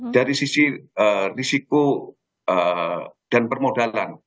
dari sisi risiko dan permodalan